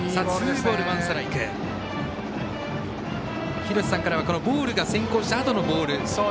廣瀬さんからはボールが先行したあとのボール。